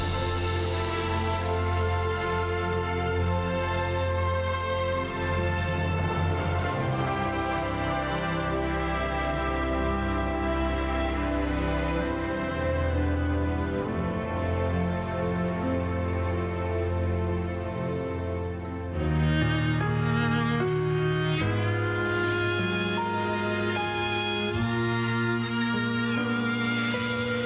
โปรดติดตามต่อไป